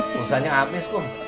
pulsa nya apa sih kum